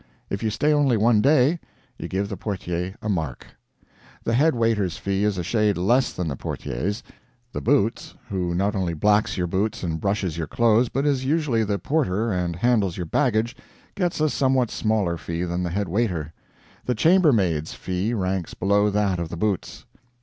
If you stay only one day, you give the portier a mark. The head waiter's fee is a shade less than the portier's; the Boots, who not only blacks your boots and brushes your clothes, but is usually the porter and handles your baggage, gets a somewhat smaller fee than the head waiter; the chambermaid's fee ranks below that of the Boots.